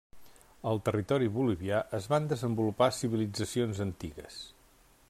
Al territori bolivià es van desenvolupar civilitzacions antigues.